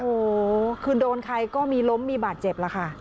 โอ้โหคือโดนใครก็มีล้มมีบาดเจ็บล่ะค่ะ